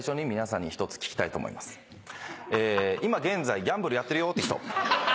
今現在ギャンブルやってるよって人。